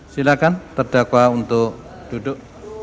silakan terdakwa untuk duduk